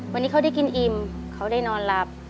วันนี้เขาได้กินอิ่มเขาได้นอนหลับ